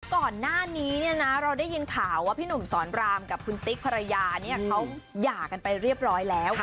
ก่อนหน้านี้เนี่ยนะเราได้ยินข่าวว่าพี่หนุ่มสอนรามกับคุณติ๊กภรรยาเนี่ยเขาหย่ากันไปเรียบร้อยแล้ว